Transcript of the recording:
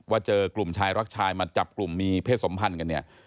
เจอกลุ่มชายรักชายมาจับกลุ่มมีเพศสมพันธ์กันเนี่ย